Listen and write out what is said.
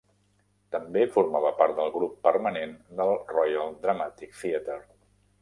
També formava part del grup permanent del Royal Dramatic Theatre.